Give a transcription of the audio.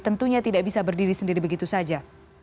tentunya tidak bisa berdiri sendiri begitu saja